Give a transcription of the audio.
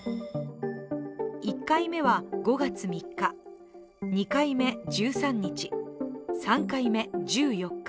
１回目は５月３日、２回目１３日、３回目１４日、